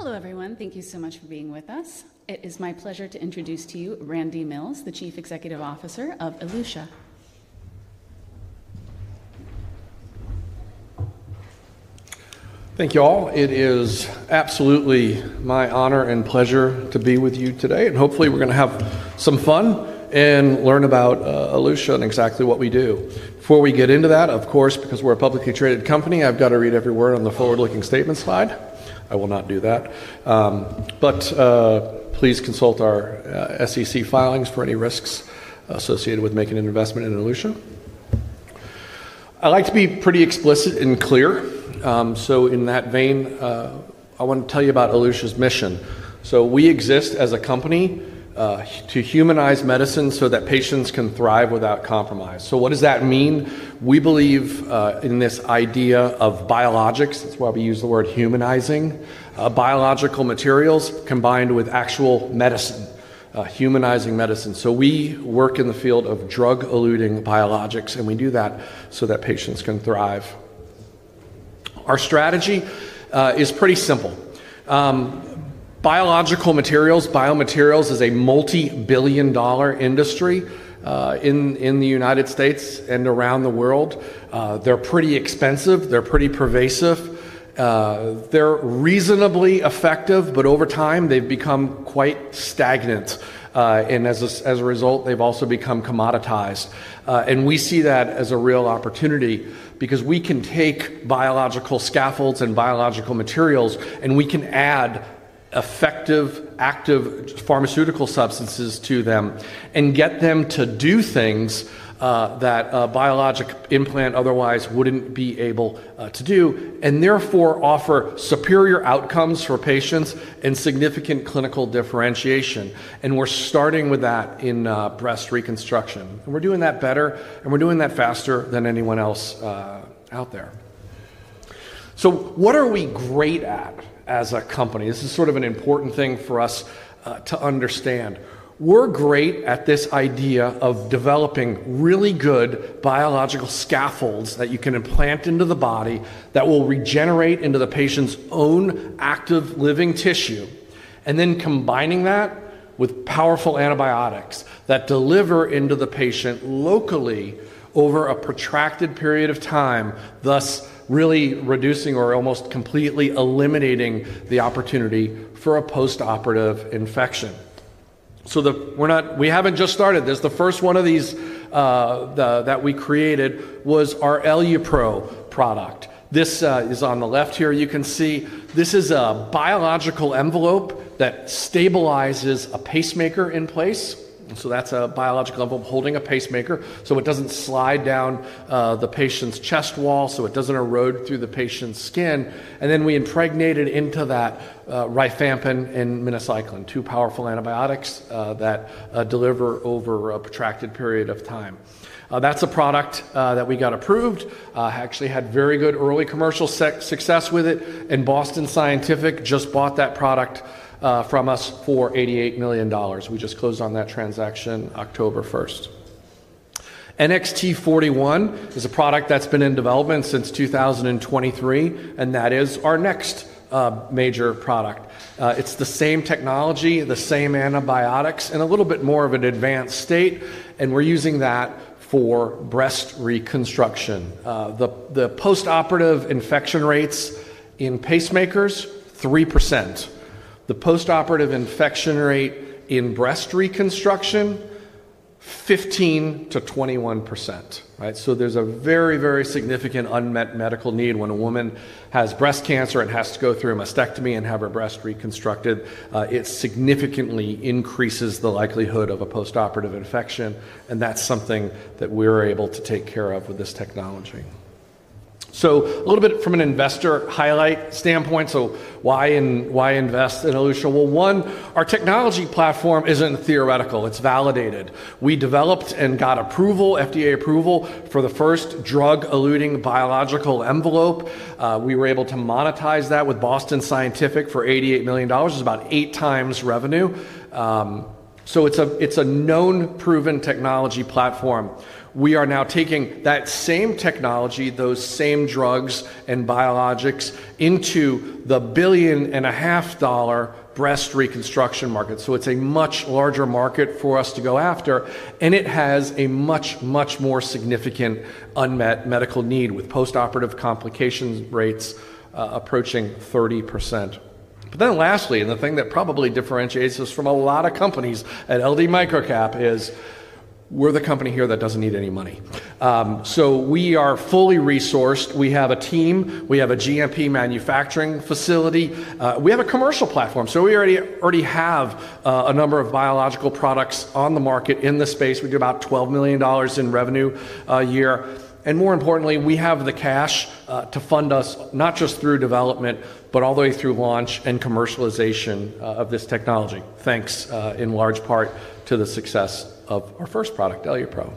Hello, everyone. Thank you so much for being with us. It is my pleasure to introduce to you Randy Mills, the Chief Executive Officer of Elutia. Thank you all. It is absolutely my honor and pleasure to be with you today. Hopefully, we're going to have some fun and learn about Elutia and exactly what we do. Before we get into that, of course, because we're a publicly traded company, I've got to read every word on the forward-looking statement slide. I will not do that. Please consult our SEC filings for any risks associated with making an investment in Elutia. I like to be pretty explicit and clear. In that vein, I want to tell you about Elutia's mission. We exist as a company to humanize medicine so that patients can thrive without compromise. What does that mean? We believe in this idea of biologics. That's why we use the word humanizing biological materials combined with actual medicine, humanizing medicine. We work in the field of drug-eluting biologics, and we do that so that patients can thrive. Our strategy is pretty simple. Biological materials, biomaterials, is a multi-billion dollar industry in the United States and around the world. They're pretty expensive. They're pretty pervasive. They're reasonably effective, but over time, they've become quite stagnant. As a result, they've also become commoditized. We see that as a real opportunity because we can take biological scaffolds and biological materials, and we can add effective active pharmaceutical substances to them and get them to do things that a biologic implant otherwise wouldn't be able to do, and therefore offer superior outcomes for patients and significant clinical differentiation. We're starting with that in breast reconstruction. We're doing that better, and we're doing that faster than anyone else out there. What are we great at as a company? This is sort of an important thing for us to understand. We're great at this idea of developing really good biological scaffolds that you can implant into the body that will regenerate into the patient's own active living tissue, and then combining that with powerful antibiotics that deliver into the patient locally over a protracted period of time, thus really reducing or almost completely eliminating the opportunity for a post-operative infection. We haven't just started. The first one of these that we created was our EluPro product. This is on the left here. You can see this is a biological envelope that stabilizes a pacemaker in place. That's a biological envelope holding a pacemaker, so it doesn't slide down the patient's chest wall, so it doesn't erode through the patient's skin. We impregnated into that rifampin and minocycline, two powerful antibiotics that deliver over a protracted period of time. That's a product that we got approved. Actually, we had very good early commercial success with it. Boston Scientific just bought that product from us for $88 million. We just closed on that transaction October 1. NXT41 is a product that's been in development since 2023, and that is our next major product. It's the same technology, the same antibiotics, and a little bit more of an advanced state. We're using that for breast reconstruction. The post-operative infection rates in pacemakers are 3%. The post-operative infection rate in breast reconstruction is 15% to 21%. There's a very, very significant unmet medical need when a woman has breast cancer and has to go through a mastectomy and have her breast reconstructed. It significantly increases the likelihood of a post-operative infection, and that's something that we're able to take care of with this technology. A little bit from an investor highlight standpoint. Why invest in Elutia? Our technology platform isn't theoretical. It's validated. We developed and got FDA approval for the first drug-eluting biological envelope. We were able to monetize that with Boston Scientific for $88 million. It's about eight times revenue. It's a known proven technology platform. We are now taking that same technology, those same drugs, and biologics into the $1.5 billion breast reconstruction market. It's a much larger market for us to go after, and it has a much, much more significant unmet medical need with post-operative complications rates approaching 30%. Lastly, and the thing that probably differentiates us from a lot of companies at LD Microcap, is we're the company here that doesn't need any money. We are fully resourced. We have a team. We have a GMP manufacturing facility. We have a commercial platform. We already have a number of biological products on the market in the space. We do about $12 million in revenue a year. More importantly, we have the cash to fund us not just through development, but all the way through launch and commercialization of this technology, thanks in large part to the success of our first product, EluPro.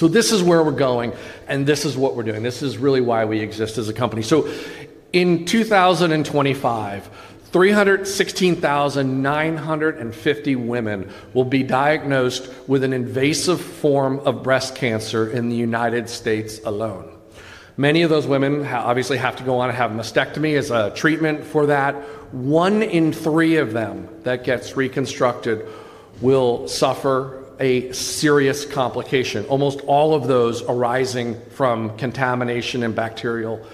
This is where we're going, and this is what we're doing. This is really why we exist as a company. In 2025, 316,950 women will be diagnosed with an invasive form of breast cancer in the United States alone. Many of those women obviously have to go on and have mastectomy as a treatment for that. One in three of them that gets reconstructed will suffer a serious complication, almost all of those arising from contamination and bacterial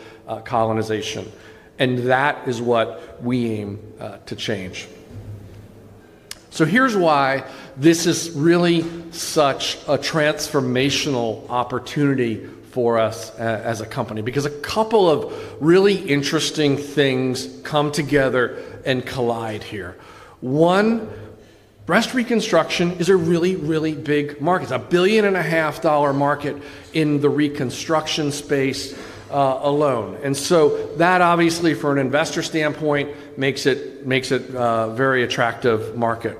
colonization. That is what we aim to change. Here's why this is really such a transformational opportunity for us as a company, because a couple of really interesting things come together and collide here. One, breast reconstruction is a really, really big market. It's a $1.5 billion market in the reconstruction space alone. That obviously, from an investor standpoint, makes it a very attractive market.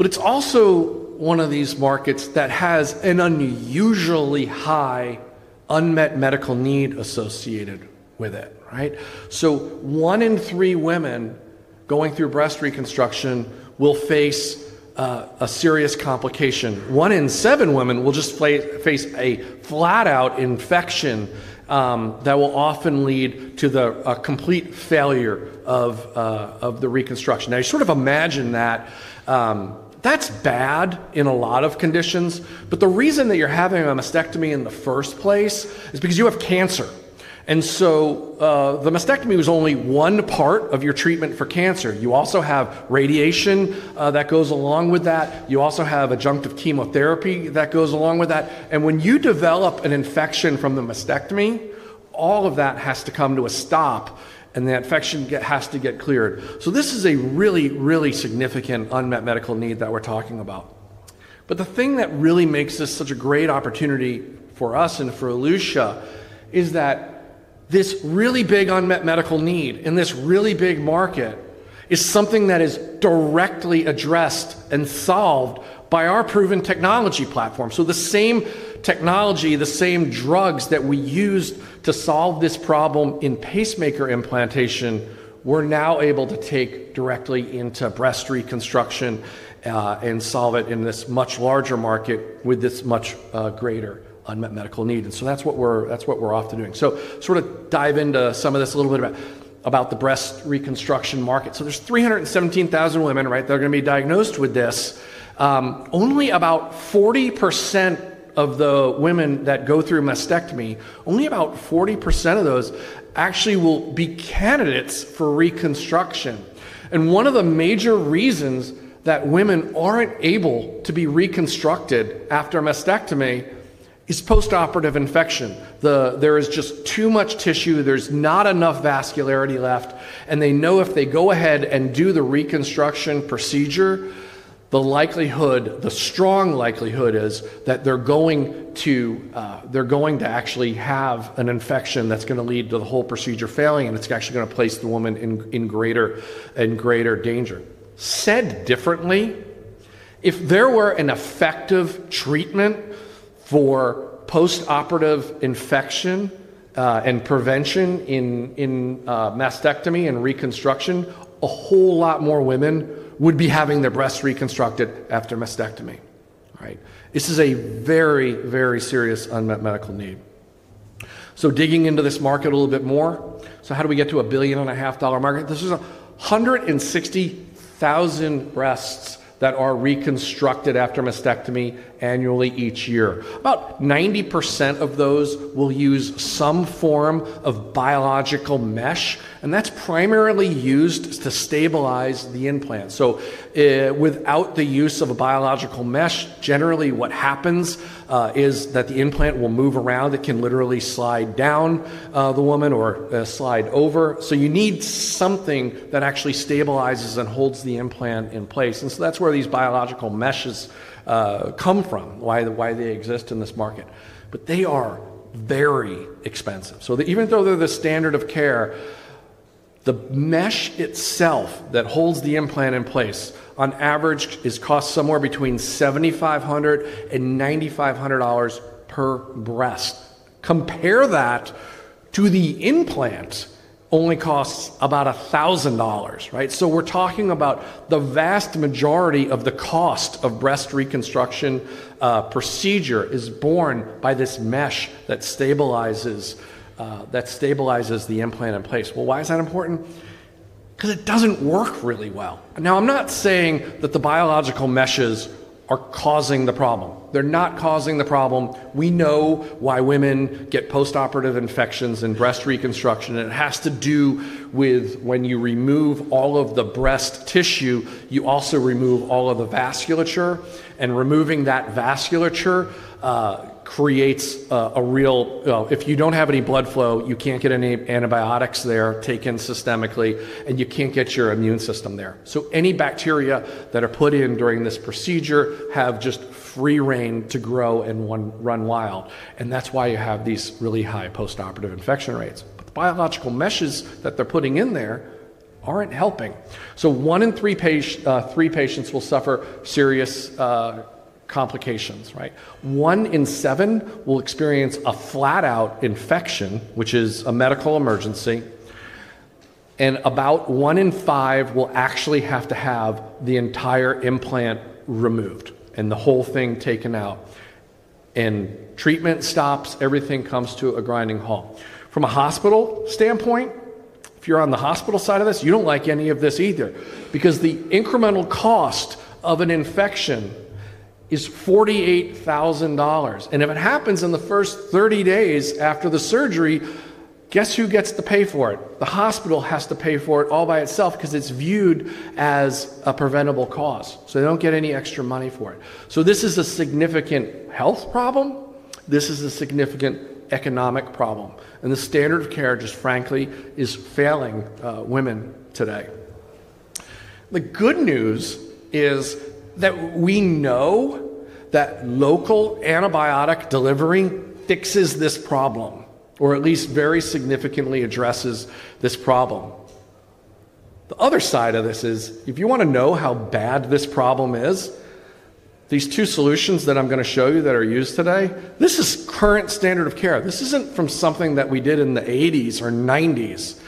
It's also one of these markets that has an unusually high unmet medical need associated with it. One in three women going through breast reconstruction will face a serious complication. One in seven women will just face a flat-out infection that will often lead to the complete failure of the reconstruction. You sort of imagine that. That's bad in a lot of conditions. The reason that you're having a mastectomy in the first place is because you have cancer. The mastectomy was only one part of your treatment for cancer. You also have radiation that goes along with that. You also have adjunctive chemotherapy that goes along with that. When you develop an infection from the mastectomy, all of that has to come to a stop, and the infection has to get cleared. This is a really, really significant unmet medical need that we're talking about. The thing that really makes this such a great opportunity for us and for Elutia is that this really big unmet medical need in this really big market is something that is directly addressed and solved by our proven technology platform. The same technology, the same drugs that we used to solve this problem in pacemaker implantation, we're now able to take directly into breast reconstruction and solve it in this much larger market with this much greater unmet medical need. That's what we're off to doing. To sort of dive into some of this a little bit about the breast reconstruction market, there's 317,000 women, right? They're going to be diagnosed with this. Only about 40% of the women that go through mastectomy, only about 40% of those actually will be candidates for reconstruction. One of the major reasons that women aren't able to be reconstructed after mastectomy is post-operative infection. There is just too much tissue. There's not enough vascularity left. They know if they go ahead and do the reconstruction procedure, the likelihood, the strong likelihood is that they're going to actually have an infection that's going to lead to the whole procedure failing, and it's actually going to place the woman in greater danger. Said differently, if there were an effective treatment for post-operative infection and prevention in mastectomy and reconstruction, a whole lot more women would be having their breasts reconstructed after mastectomy. This is a very, very serious unmet medical need. Digging into this market a little bit more. How do we get to a $1.5 billion market? There's 160,000 breasts that are reconstructed after mastectomy annually each year. About 90% of those will use some form of biological mesh, and that's primarily used to stabilize the implant. Without the use of a biological mesh, generally what happens is that the implant will move around. It can literally slide down the woman or slide over. You need something that actually stabilizes and holds the implant in place. That's where these biological meshes come from, why they exist in this market. They are very expensive. Even though they're the standard of care, the mesh itself that holds the implant in place on average costs somewhere between $7,500 and $9,500 per breast. Compare that to the implant's only cost about $1,000. The vast majority of the cost of breast reconstruction procedure is borne by this mesh that stabilizes the implant in place. Why is that important? Because it doesn't work really well. I'm not saying that the biological meshes are causing the problem. They're not causing the problem. We know why women get post-operative infections in breast reconstruction. It has to do with when you remove all of the breast tissue, you also remove all of the vasculature. Removing that vasculature creates a real problem. If you don't have any blood flow, you can't get any antibiotics there taken systemically, and you can't get your immune system there. Any bacteria that are put in during this procedure have just free rein to grow and run wild. That is why you have these really high post-operative infection rates. The biological meshes that they're putting in there aren't helping. One in three patients will suffer serious complications. One in seven will experience a flat-out infection, which is a medical emergency. About one in five will actually have to have the entire implant removed and the whole thing taken out. Treatment stops. Everything comes to a grinding halt. From a hospital standpoint, if you're on the hospital side of this, you don't like any of this either because the incremental cost of an infection is $48,000. If it happens in the first 30 days after the surgery, guess who gets to pay for it? The hospital has to pay for it all by itself because it's viewed as a preventable cause. They don't get any extra money for it. This is a significant health problem. This is a significant economic problem. The standard of care, just frankly, is failing women today. The good news is that we know that local antibiotic delivery fixes this problem, or at least very significantly addresses this problem. The other side of this is if you want to know how bad this problem is, these two solutions that I'm going to show you that are used today, this is current standard of care. This isn't from something that we did in the 1980s or 1990s.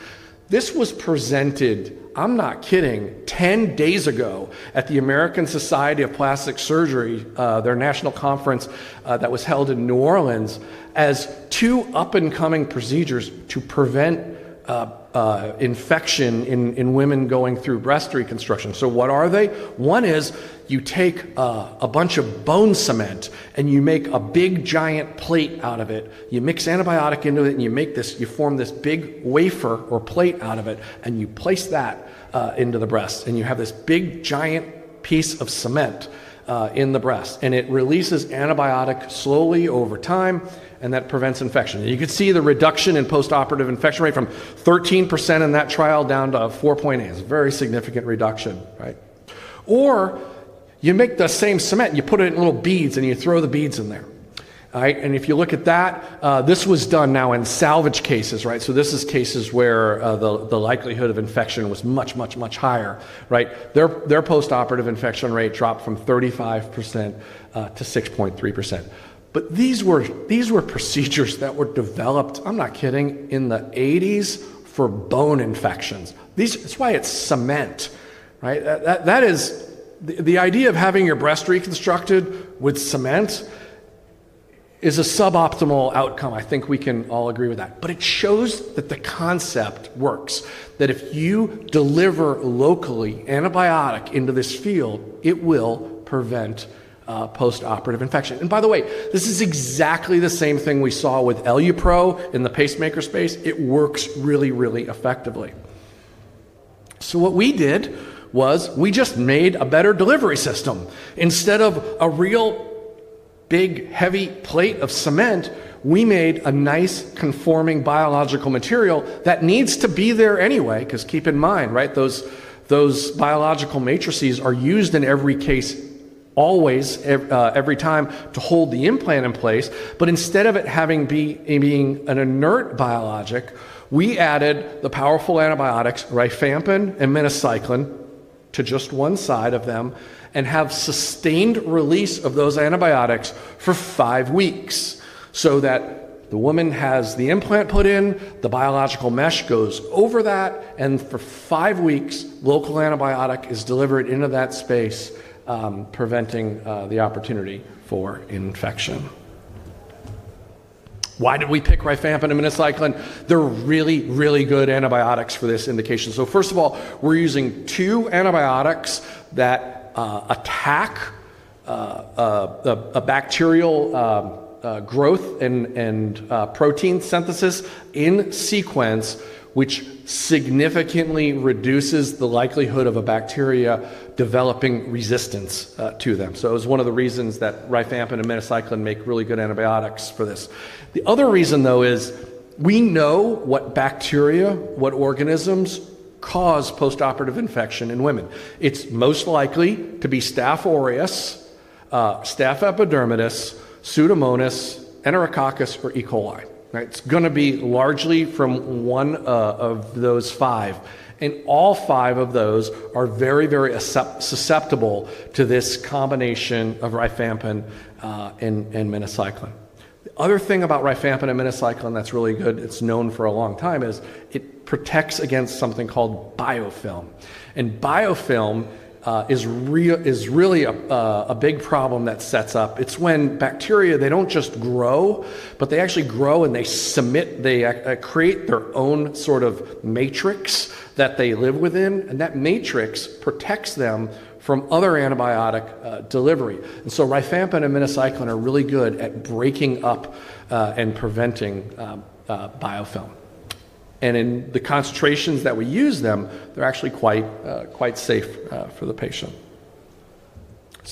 This was presented, I'm not kidding, 10 days ago at the American Society of Plastic Surgery, their national conference that was held in New Orleans, as two up-and-coming procedures to prevent infection in women going through breast reconstruction. What are they? One is you take a bunch of bone cement, and you make a big giant plate out of it. You mix antibiotic into it, and you make this, you form this big wafer or plate out of it, and you place that into the breast. You have this big giant piece of cement in the breast. It releases antibiotic slowly over time, and that prevents infection. You can see the reduction in post-operative infection rate from 13% in that trial down to 4.8%. It's a very significant reduction. You make the same cement, you put it in little beads, and you throw the beads in there. If you look at that, this was done now in salvage cases. These are cases where the likelihood of infection was much, much, much higher. Their post-operative infection rate dropped from 35%-6.3%. These were procedures that were developed, I'm not kidding, in the 1980s for bone infections. That is why it's cement. The idea of having your breast reconstructed with cement is a suboptimal outcome. I think we can all agree with that. It shows that the concept works, that if you deliver locally antibiotic into this field, it will prevent post-operative infection. By the way, this is exactly the same thing we saw with EluPro in the pacemaker space. It works really, really effectively. What we did was we just made a better delivery system. Instead of a real big heavy plate of cement, we made a nice conforming biological material that needs to be there anyway, because keep in mind, those biological matrices are used in every case, always, every time to hold the implant in place. Instead of it having been an inert biologic, we added the powerful antibiotics, rifampin and minocycline, to just one side of them and have sustained release of those antibiotics for five weeks so that the woman has the implant put in, the biological mesh goes over that, and for five weeks, local antibiotic is delivered into that space, preventing the opportunity for infection. Why did we pick rifampin and minocycline? They're really, really good antibiotics for this indication. First of all, we're using two antibiotics that attack a bacterial growth and protein synthesis in sequence, which significantly reduces the likelihood of a bacteria developing resistance to them. It was one of the reasons that rifampin and minocycline make really good antibiotics for this. The other reason, though, is we know what bacteria, what organisms cause post-operative infection in women. It's most likely to be Staph aureus, Staph epidermidis, Pseudomonas, Enterococcus, or E. coli. It's going to be largely from one of those five. All five of those are very, very susceptible to this combination of rifampin and minocycline. The other thing about rifampin and minocycline that's really good, it's known for a long time, is it protects against something called biofilm. Biofilm is really a big problem that sets up. It's when bacteria, they don't just grow, but they actually grow and they create their own sort of matrix that they live within. That matrix protects them from other antibiotic delivery. Rifampin and minocycline are really good at breaking up and preventing biofilm. In the concentrations that we use them, they're actually quite safe for the patient.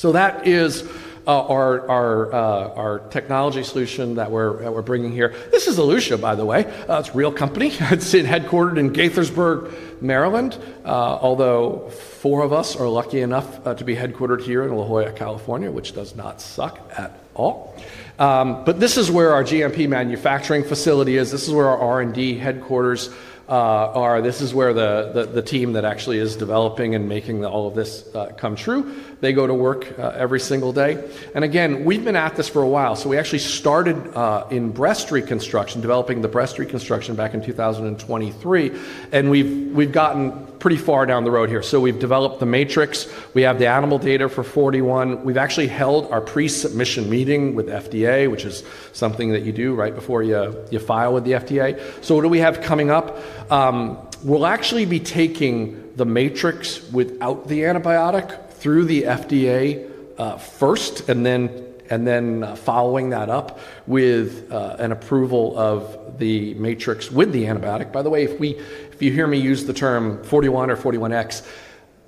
That is our technology solution that we're bringing here. This is Elutia, by the way. It's a real company. It's headquartered in Gaithersburg, Maryland, although four of us are lucky enough to be headquartered here in La Jolla, California, which does not suck at all. This is where our GMP manufacturing facility is. This is where our R&D headquarters are. This is where the team that actually is developing and making all of this come true. They go to work every single day. We've been at this for a while. We actually started in breast reconstruction, developing the breast reconstruction back in 2023. We've gotten pretty far down the road here. We've developed the matrix. We have the animal data for NXT41. We've actually held our pre-submission meeting with the FDA, which is something that you do right before you file with the FDA. What do we have coming up? We'll actually be taking the matrix without the antibiotic through the FDA first, and then following that up with an approval of the matrix with the antibiotic. By the way, if you hear me use the term NXT41 or NXT41X,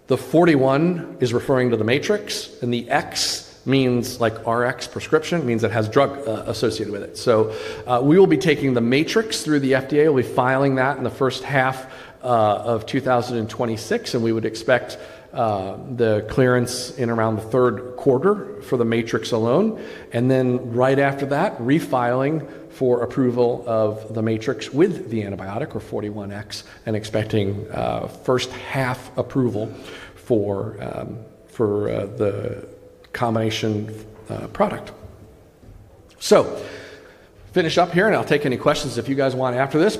the 41 is referring to the matrix, and the X means like RX prescription, means it has drug associated with it. We will be taking the matrix through the FDA. We'll be filing that in the first half of 2026. We would expect the clearance in around the third quarter for the matrix alone, and then right after that, refiling for approval of the matrix with the antibiotic or NXT41X and expecting first half approval for the combination product. I'll finish up here, and I'll take any questions if you guys want after this.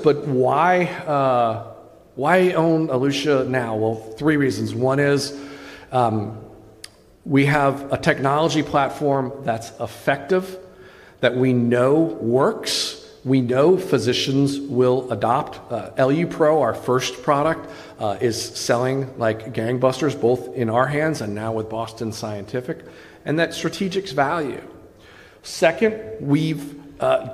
Why own Elutia now? Three reasons. One is we have a technology platform that's effective that we know works. We know physicians will adopt. EluPro, our first product, is selling like gangbusters both in our hands and now with Boston Scientific. That's strategic value. Second, we've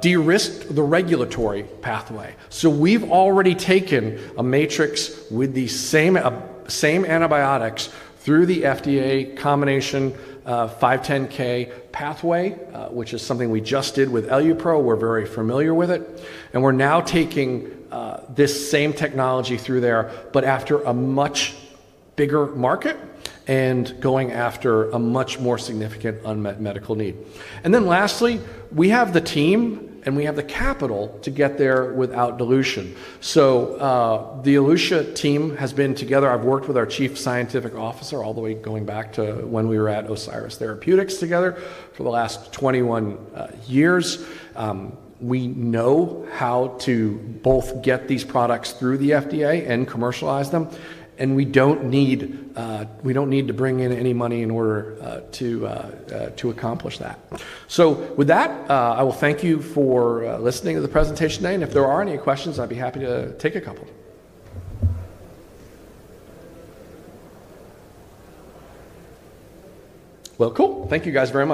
de-risked the regulatory pathway. We've already taken a matrix with the same antibiotics through the FDA combination 510K pathway, which is something we just did with EluPro. We're very familiar with it. We're now taking this same technology through there, but after a much bigger market and going after a much more significant unmet medical need. Lastly, we have the team and we have the capital to get there without Elutia. The Elutia team has been together. I've worked with our Chief Scientific Officer all the way going back to when we were at Osiris Therapeutics together for the last 21 years. We know how to both get these products through the FDA and commercialize them. We don't need to bring in any money in order to accomplish that. I will thank you for listening to the presentation today. If there are any questions, I'd be happy to take a couple. Thank you guys very much.